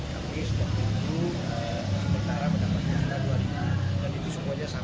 kami sudah mencari sementara mendapat jatah dua